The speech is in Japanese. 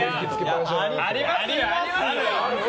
ありますよ。